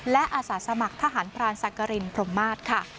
และอาสาสมัครทหารพรานสักกรินพรมมาศค่ะ